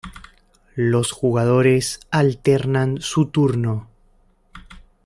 Los jugadores alternan su turno.